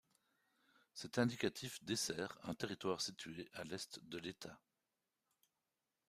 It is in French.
Cet indicatif dessert un territoire situé à l'est de l'État.